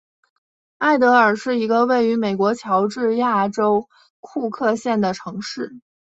艾得尔是一个位于美国乔治亚州库克县的城市。